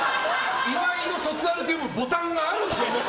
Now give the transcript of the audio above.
岩井の卒アルっていうボタンがあるんでしょうね。